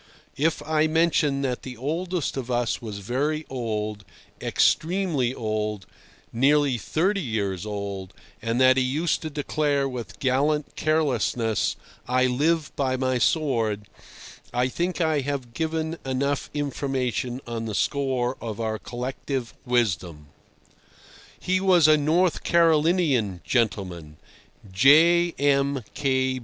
If I mention that the oldest of us was very old, extremely old—nearly thirty years old—and that he used to declare with gallant carelessness, "I live by my sword," I think I have given enough information on the score of our collective wisdom. He was a North Carolinian gentleman, J. M.